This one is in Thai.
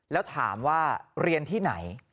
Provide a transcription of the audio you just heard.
แล้วถามว่าเรียนที่ไหน